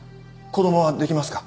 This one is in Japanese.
子供はできますか？